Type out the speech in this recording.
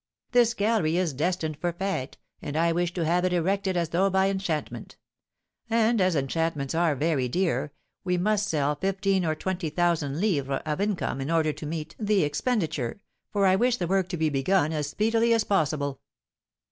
"This gallery is destined for fêtes, and I wish to have it erected as though by enchantment; and, as enchantments are very dear, we must sell fifteen or twenty thousand livres of income in order to meet the expenditure, for I wish the work to be begun as speedily as possible."